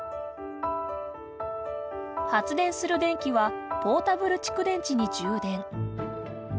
発電する電気はポータブル蓄電池に充電。